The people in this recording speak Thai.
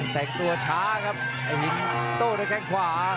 แต่งตัวช้าครับอาหินโตด้วยแค่งขวา